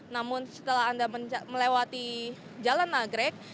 namun setelah anda melewati jalan nagrek